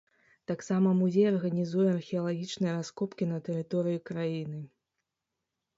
Таксама музей арганізуе археалагічныя раскопкі на тэрыторыі краіны.